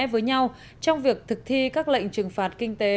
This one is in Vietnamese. với nhau trong việc thực thi các lệnh trừng phạt kinh tế